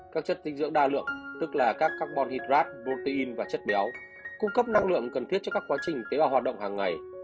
các chất dinh dưỡng đa lượng tức là các carbon hydrate protein và chất béo cung cấp năng lượng cần thiết cho các quá trình tế vào hoạt động hàng ngày